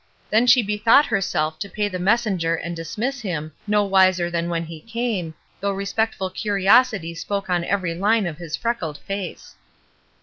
Then she bethought herself to pay the messenger and dismiss him, no wiser than when he came, though respectful curiosity spoke on every line of his freckled face.